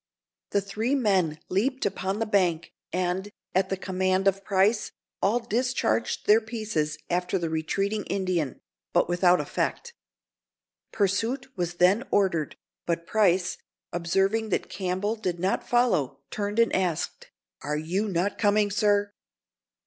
The three men leaped upon the bank, and, at the command of Price, all discharged their pieces after the retreating Indian, but without effect. Pursuit was then ordered, but Price, observing that Campbell did not follow, turned and asked: "Are you not coming, sir?"